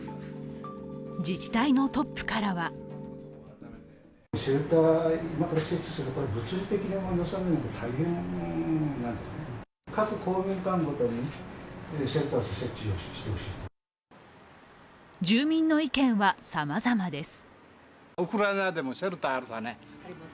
自治体のトップからは住民の意見はさまざまです。